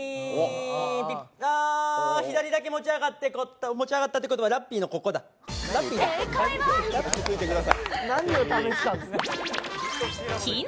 ウィーン、左だけ持ち上がって、持ち上がったってことはラッピーのここだ、ラッピーだ。